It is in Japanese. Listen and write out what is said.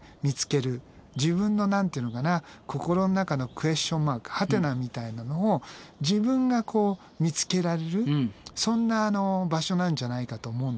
自分の何て言うのかな心の中のクエスチョンマークはてなみたいなのを自分が見つけられるそんな場所なんじゃないかと思うんだよね。